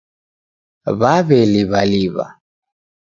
W'aw'eliw'aliw'a